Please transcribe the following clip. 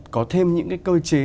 có thêm những cái cơ chế